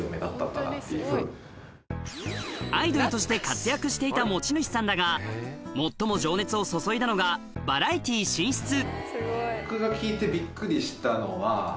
アイドルとして活躍していた持ち主さんだが最も情熱を注いだのがバラエティー進出